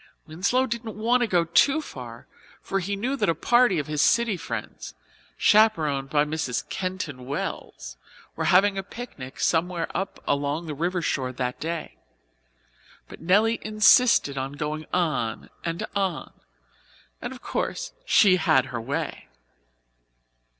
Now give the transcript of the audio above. Winslow didn't want to go too far, for he knew that a party of his city friends, chaperoned by Mrs. Keyton Wells, were having a picnic somewhere up along the river shore that day. But Nelly insisted on going on and on, and of course she had her way.